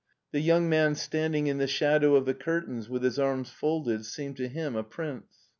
The young man standing in the shadow of the curtains with his arms folded seemed to him a prince.